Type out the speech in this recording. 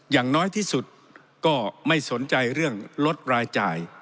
อย่างน้อยที่สุดก็ไม่สนใจเรื่องลดรายจ่าย